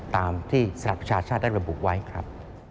ตามที่สหประชาชาติได้ระบุไว้ครับ